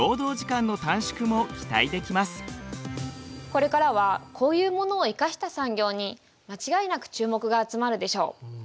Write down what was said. これからはこういうものを生かした産業に間違いなく注目が集まるでしょう。